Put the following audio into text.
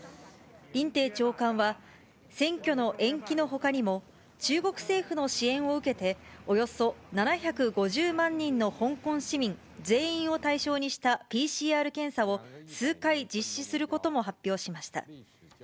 林鄭長官は選挙の延期のほかにも、中国政府の支援を受けて、およそ７５０万人の香港市民全員を対象にしたＰＣＲ検査を数回、実施することも発表しました。